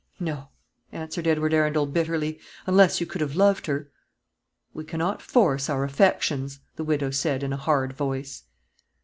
"No," answered Edward Arundel, bitterly; "unless you could have loved her." "We cannot force our affections," the widow said, in a hard voice.